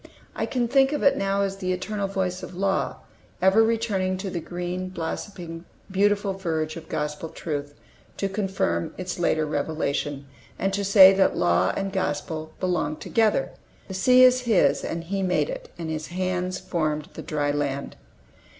I can think of it now as the eternal voice of Law, ever returning to the green, blossoming, beautiful verge of Gospel truth, to confirm its later revelation, and to say that Law and Gospel belong together. "The sea is His, and He made it: and His hands formed the dry land."